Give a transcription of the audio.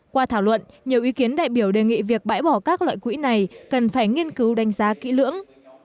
qua thảo luận nhiều ý kiến đại biểu đề nghị việc bãi bỏ các loại quỹ này cần phải nghiên cứu đánh giá kỹ lưỡng